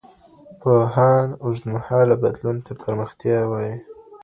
پوهان اوږدمهاله بدلون ته پرمختيا وايي.